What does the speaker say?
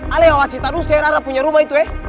aneh awasi tadusnya rara punya rumah itu ye